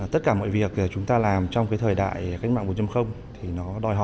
tất cả mọi việc chúng ta làm trong thời đại cách mạng bốn